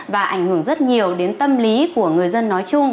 và ảnh hưởng rất nhiều đến tâm lý của người dân nói chung